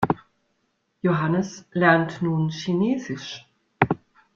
Johannes lernt nun Chinesisch.